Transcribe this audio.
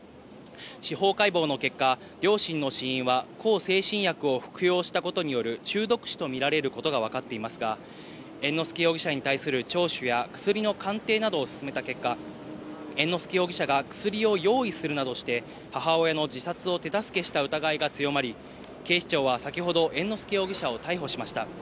司法解剖の結果、両親の死因は向精神薬を服用したことによる中毒死とみられることがわかっていますが、猿之助容疑者に対する聴取や薬の鑑定などを進めた結果、猿之助容疑者が薬を用意するなどして母親の自殺を手助けした疑いが強まり、警視庁は先ほど猿之助容疑者を逮捕しました。